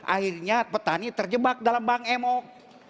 akhirnya petani terjebak dalam bank emok